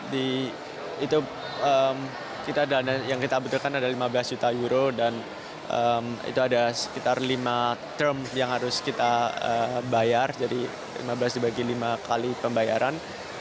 di itu kita dana yang kita butuhkan ada lima belas juta euro dan itu ada sekitar lima term yang harus kita bayar jadi lima belas dibagi lima kali pembayaran